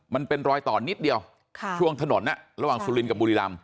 มันเป็นรอยต่อนิดเดียวช่วงถนนระหว่างสุรินกับบุรีรำ